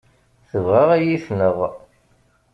Tebɣa ad iyi-tneɣ.